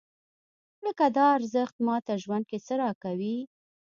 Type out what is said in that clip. لکه دا ارزښت ماته ژوند کې څه راکوي؟